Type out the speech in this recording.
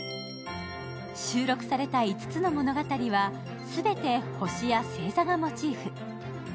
収録された５つの物語は全て星や星座がモチーフ。